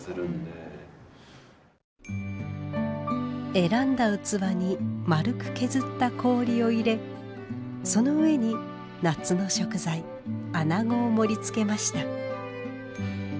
選んだ器に丸く削った氷を入れその上に夏の食材穴子を盛りつけました。